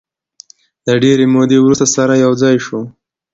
د ډېرې مودې وروسته سره یو ځای شوو.